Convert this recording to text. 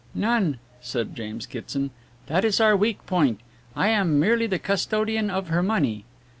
"None," said James Kitson, "that is our weak point. I am merely the custodian of her money.